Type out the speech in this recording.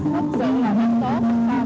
thật sự là rất tốt